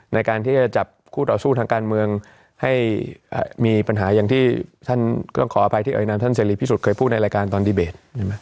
ในการที่จะจับคู่ต่อสู้ทางการเมืองให้มีปัญหาอย่างที่ท่านก็ขออภัยที่เอ่ยนามท่านเสรีพิสุทธิ์เคยพูดในรายการตอนดีเบต